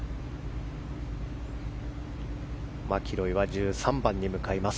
マキロイは１３番に向かいます。